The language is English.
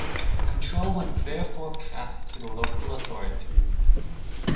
Control was therefore passed to the local authorities.